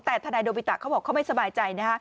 แต่ทนายโดวิตะเขาบอกว่าเขาไม่สบายใจ